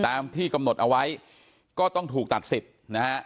ตามที่กำหนดเอาไว้ก็ต้องถูกตัดสิทธิ์นะฮะ